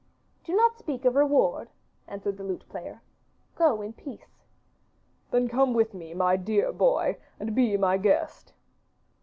'Do not speak of reward,' answered the lute player. 'Go in peace.' 'Then come with me, dear boy, and be my guest.